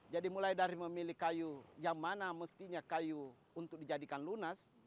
jadi mulai dari memilih kayu yang mana mestinya kayu untuk dijadikan lunas